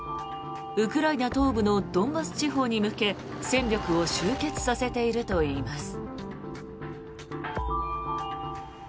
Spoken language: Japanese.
ウクライナ東部のドンバス地方に向け戦力を集結させているといいます。